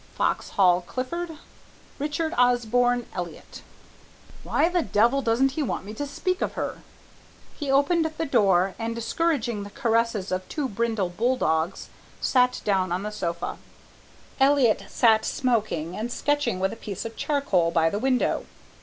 FOXHALL CLIFFORD RICHARD OSBORNE ELLIOTT "Why the devil doesn't he want me to speak of her?" He opened the door, and, discouraging the caresses of two brindle bull dogs, sank down on the sofa. Elliott sat smoking and sketching with a piece of charcoal by the window.